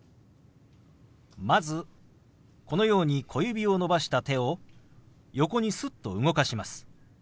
まずこのように小指を伸ばした手を横にすっと動かします。